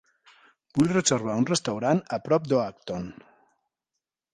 Vull reservar un restaurant a prop d'Oaktown.